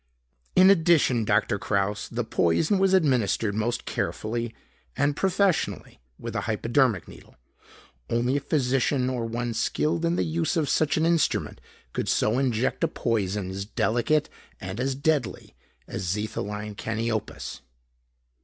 In addition, Doctor Kraus, the poison was administered most carefully and professionally with a hypodermic needle. Only a physician, or one skilled in the use of such an instrument could so inject a poison as delicate and as deadly as xetholine caniopus.